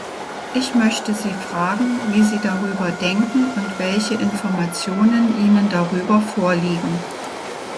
Ich möchte Sie fragen, wie Sie darüber denken und welche Informationen Ihnen darüber vorliegen.